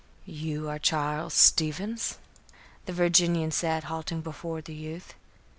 "You are Charles Stevens?" the Virginian said, halting before the youth.